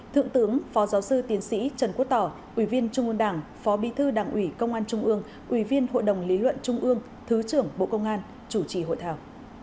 thượng tướng phó giáo sư tiến sĩ trần quốc tỏ ủy viên trung ương đảng phó bí thư đảng ủy công an trung ương ủy viên hội đồng lý luận trung ương thứ trưởng bộ công an chủ trì hội thảo